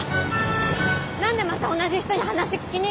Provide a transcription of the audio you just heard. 何でまた同じ人に話聞きに行くんですか？